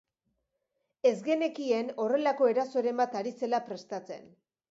Ez genekien horrelako erasoren bat ari zela prestatzen.